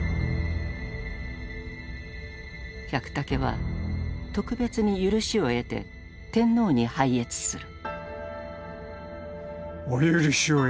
百武は特別に許しを得て天皇に拝謁する。